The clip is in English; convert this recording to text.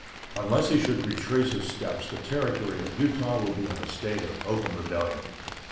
Unless he should retrace his steps the Territory of Utah will be in a state of open rebellion.